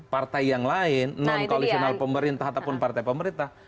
partai yang lain non koalisional pemerintah ataupun partai pemerintah